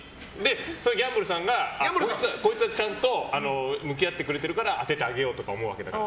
それでギャンブルさんがこいつはちゃんと向き合ってくれてるから当ててあげようって思うわけだから。